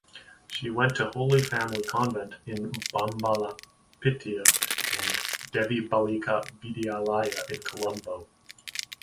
She went to Holy Family Convent in Bambalapitiya and Devi Balika Vidyalaya in Colombo.